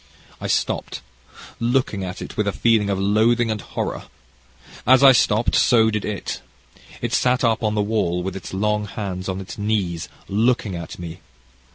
I stopped, looking at it with a feeling of loathing and horror. As I stopped so did it. It sat up on the wall with its long hands on its knees looking at me.